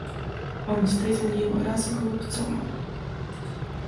Он встретил его раз у Голубцова.